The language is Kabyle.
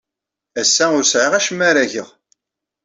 Ass-a, ur sɛiɣ acemma ara geɣ.